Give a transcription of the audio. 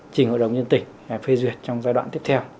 trình hội đồng nhân tỉnh phê duyệt trong giai đoạn tiếp theo